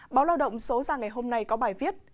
báo lao động số ra ngày hôm nay có bài viết